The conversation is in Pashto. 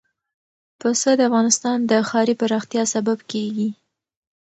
پسه د افغانستان د ښاري پراختیا سبب کېږي.